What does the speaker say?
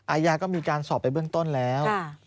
อาญาก็มีการสอบไปเบื้องต้นแล้ว